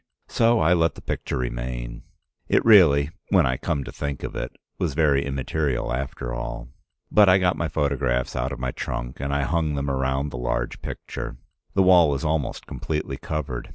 So I let the picture remain. It really, when I came to think of it, was very immaterial after all. But I got my photographs out of my trunk, and I hung them around the large picture. The wall is almost completely covered.